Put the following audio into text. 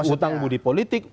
utang budi politik